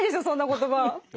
そんな言葉。